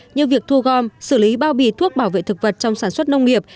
như việc thu gom xử lý bao bì thuốc bảo vệ thực vật trong sản xuất nông nghiệp